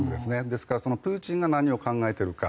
ですからプーチンが何を考えてるか。